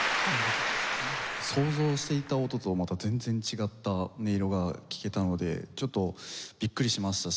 想像していた音とまた全然違った音色が聴けたのでちょっとビックリしましたし。